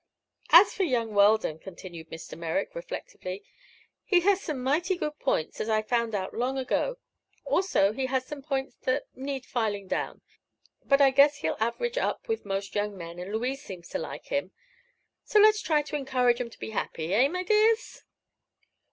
"As for young Weldon," continued Mr. Merrick, reflectively, "he has some mighty good points, as I found out long ago. Also he has some points that need filing down. But I guess he'll average up with most young men, and Louise seems to like him. So let's try to encourage 'em to be happy; eh, my dears?"